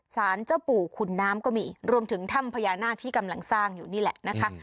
สารเจ้าปู่ขุนน้ำก็มีรวมถึงถ้ำพญานาคที่กำลังสร้างอยู่นี่แหละนะคะ